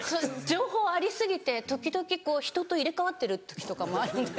情報あり過ぎて時々ひとと入れ替わってる時とかもあるんですよ。